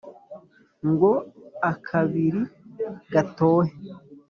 Ngo akabili gatohe